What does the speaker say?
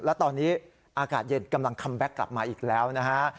และตอนนี้อากาศเย็นกำลังคัมแบ็คกลับมาอีกแล้วนะฮะ